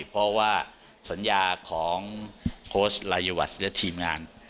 เพราะว่าสัญญาของโค้ชลายวัชและทีมงาน